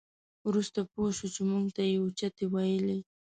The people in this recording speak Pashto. وروسته پوه شوو چې موږ ته یې اوچتې ویلې.